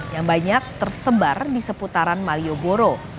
yang banyak tersebar di seputaran malioboro